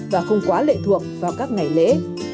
và không quá lệ thuộc vào các ngày lễ